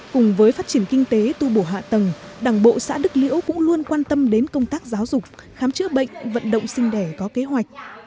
cùng với phát triển kinh tế tu bổ hạ tầng đảng bộ xã đức liễu cũng luôn quan tâm đến công tác giáo dục khám chữa bệnh vận động sinh đẻ có kế hoạch